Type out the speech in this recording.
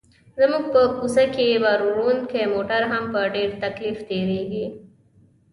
زموږ په کوڅه کې باروړونکي موټر هم په ډېر تکلیف تېرېږي.